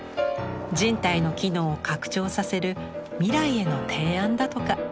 人体の機能を拡張させる未来への提案だとか。